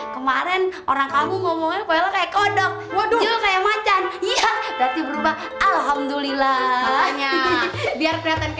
kemarin orang kamu ngomong kayak kodok waduh kayak macan berubah alhamdulillah biar kliatan